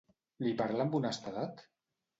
Li parla amb honestedat?